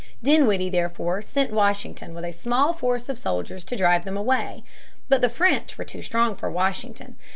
Dinwiddie therefore sent Washington with a small force of soldiers to drive them away. But the French were too strong for Washington.